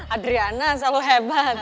adriana selalu hebat